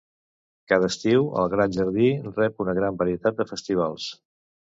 Cada estiu, el Gran Jardí rep una gran varietat de festivals.